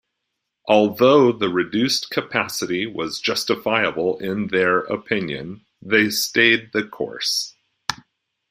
Although the reduced capacity was justifiable in their opinion, they stayed the course.